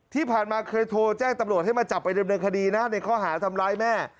ที่ผ่านมาเคยโทรแจ้งตำรวจให้มาจับไปดำเนินคดีนะในข้อหาทำร้ายแม่